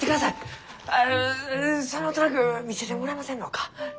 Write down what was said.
あそのトランク見せてもらえませんろうか？